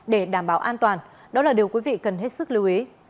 để đảm bảo an toàn đó là điều quý vị cần hết sức lưu ý